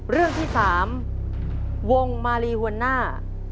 เรื่องที่๓วงมาลีหัวหน้า